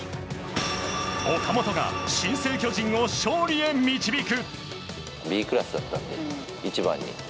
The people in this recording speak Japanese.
岡本が、新生巨人を勝利へ導く。